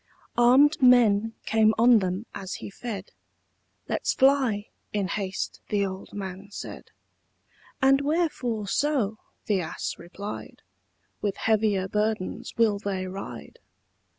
Arm'd men came on them as he fed: "Let's fly," in haste the old man said. "And wherefore so?" the ass replied; "With heavier burdens will they ride?"